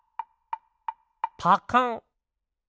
パカン！